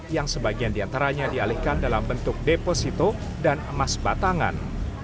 yang sebagian diantaranya dialihkan dalam bentuk deposito dan emas batangan